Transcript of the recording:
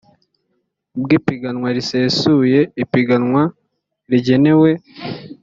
bw ipiganwa risesuye ipiganwa rigenewe